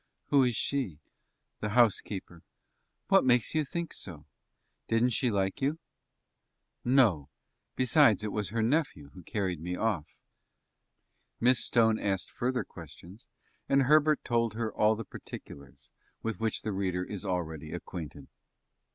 "Who is she?" "The housekeeper." "What makes you think so? Didn't she like you?" "No; besides, it was her nephew who carried me off." Miss Stone asked further questions, and Herbert told her all the particulars with which the reader is already acquainted.